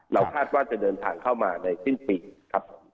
คาดว่าจะเดินทางเข้ามาในสิ้นปีครับ